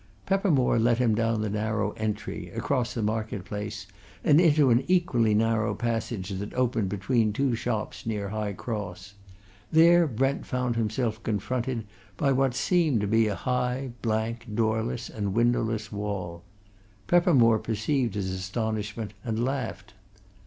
Peppermore led him down the narrow entry, across the market place, and into an equally narrow passage that opened between two shops near High Cross. There Brent found himself confronted by what seemed to be a high, blank, doorless and windowless wall; Peppermore perceived his astonishment and laughed.